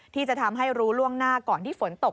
ที่จะทำให้รู้ล่วงหน้าก่อนที่ฝนตก